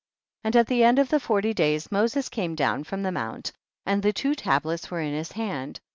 28. And at the end of the forty days, Moses came down from the mount and the two tablets were in his hand.